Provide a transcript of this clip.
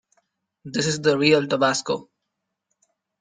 This is the real tabasco.